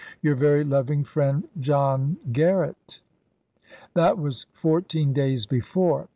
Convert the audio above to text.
Your very loving friend, John Garrett. ' That was fourteen days before.